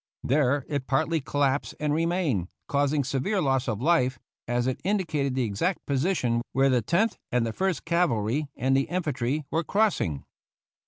There it partly col lapsed and remained, causing severe loss of life, as it indicated the exact position where the Tenth and the First Cavalry, and the infantry, were crossing.